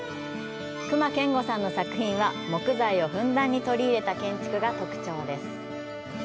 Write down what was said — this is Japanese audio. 隈研吾さんの作品は、木材をふんだんに取り入れた建築が特徴です。